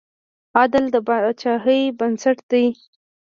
عدل د پاچاهۍ بنسټ دی.